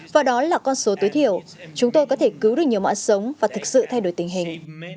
và đó là con số tối thiểu chúng tôi có thể cứu được nhiều mạng sống và thực sự thay đổi tình hình